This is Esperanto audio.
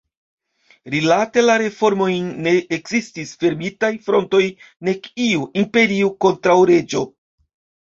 Rilate la reformojn ne ekzistis fermitaj frontoj nek iu „imperio kontraŭ reĝo“.